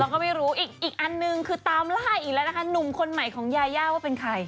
ก็ไม่รู้อีกอันนึงคือตามล่าอีกแล้วนะคะหนุ่มคนใหม่ของยาย่าว่าเป็นใคร